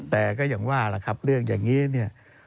แต่ก็อย่างว่าล่ะครับเรื่องอย่างนี้เนี่ย